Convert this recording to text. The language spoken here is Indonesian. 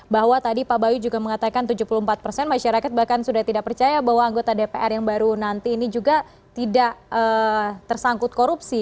bahwa tadi pak bayu juga mengatakan tujuh puluh empat persen masyarakat bahkan sudah tidak percaya bahwa anggota dpr yang baru nanti ini juga tidak tersangkut korupsi